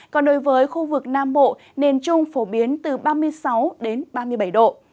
còn đối với khu vực nam bộ nền trung phổ biến từ ba mươi sáu đến ba mươi bảy độ